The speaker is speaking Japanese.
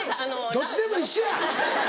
どっちでも一緒や！